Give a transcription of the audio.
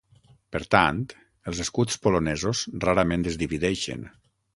Per tant, els escuts polonesos rarament es divideixen.